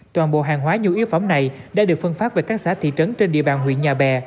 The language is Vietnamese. toàn bộ hàng hóa nhu yếu phẩm này đã được phân phát về các xã thị trấn trên địa bàn huyện nhà bè